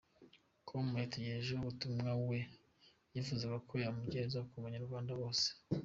com, yatugejejeho ubutumwa we yifuzaga ko kumugereza ku banyarwanda bose.